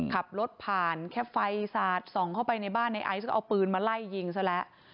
ขับรถผ่านแค่ไฟสาดส่องเข้าไปในบ้านในไอซ์ก็เอาปืนมาไล่ยิงซะแล้ว